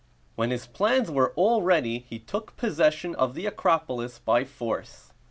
When his plans were all ready, he took possession of the Acropolis by force.